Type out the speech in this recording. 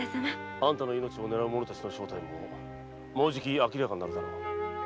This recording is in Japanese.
あんたの命を狙う者たちの正体もすぐに明らかになるだろう。